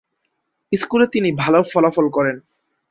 স্কুলে তিনি ভাল ফলাফল করেন।